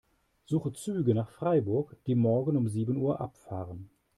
Suche Züge nach Freiburg, die morgen um sieben Uhr abfahren.